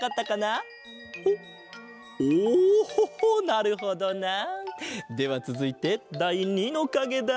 なるほどな。ではつづいてだい２のかげだ！